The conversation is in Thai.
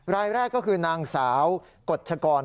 รายแรกก็คือนางสาวกฎชกร